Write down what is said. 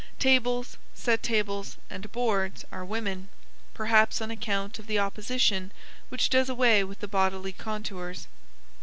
Tables, set tables, and boards are women, perhaps on account of the opposition which does away with the bodily contours.